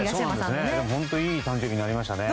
本当にいい誕生日になりましたね。